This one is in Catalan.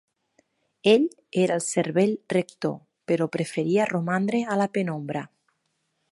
Ell era el cervell rector, però preferia romandre a la penombra.